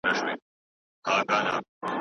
خلګ به له چارو څخه ګټه واخلي.